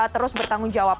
terus bertanggung jawab